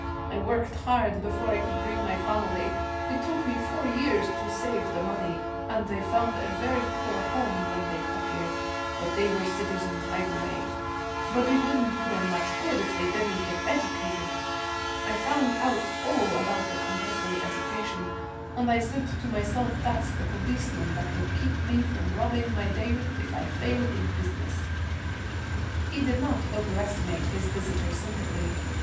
I worked hard before I could bring my family it took me four years to save the money and they found a very poor home when they got here, but they were citizens right away. But it wouldn't do them much good, if they didn't get educated. I found out all about the compulsory education, and I said to myself that's the policeman that will keep me from robbing my David if I fail in business.' He did not overestimate his visitor's sympathy.